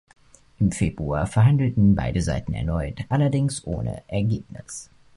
Im Februar verhandelten beide Seiten erneut, allerdings ohne Ergebnis.